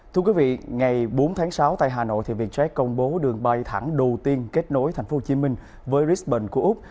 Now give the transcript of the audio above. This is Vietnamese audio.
thưa quý vị ngày bốn tháng sáu tại hà nội vietjet công bố đường bay thẳng đầu tiên kết nối tp hcm với risbank của úc